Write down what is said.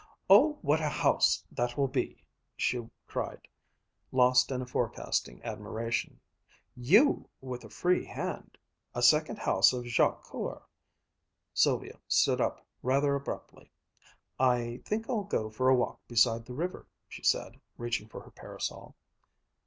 "Oh, what a house that will be!" she cried, lost in forecasting admiration. "You! with a free hand! A second house of Jacques Coeur!" Sylvia stood up, rather abruptly. "I think I'll go for a walk beside the river," she said, reaching for her parasol.